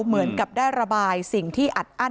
เหมือนกับได้ระบายสิ่งที่อัดอั้น